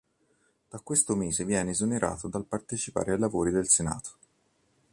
Da questo mese viene esonerato dal partecipare ai lavori del Senato.